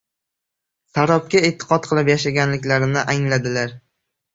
sarobga e’tiqod qilib yashaganliklarini angladilar.